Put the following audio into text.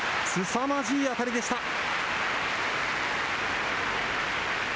すさまじい当たりでした。